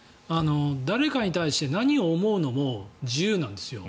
誰かに対して何を思うのも自由なんですよ。